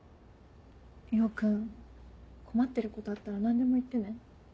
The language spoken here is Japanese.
ヨー君困ってることあったら何でも言ってね。